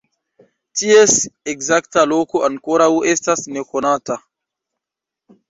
Ties ekzakta loko ankoraŭ estas nekonata.